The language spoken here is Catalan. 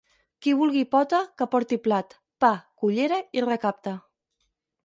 Qui vulgui pota, que porti plat, pa, cullera i recapte.